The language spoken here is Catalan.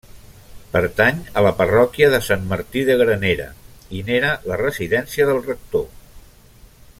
Pertany a la parròquia de Sant Martí de Granera, i n'era la residència del rector.